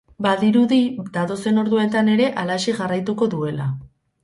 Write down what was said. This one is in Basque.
Badirudi datozen orduetan ere halaxe jarraituko duela.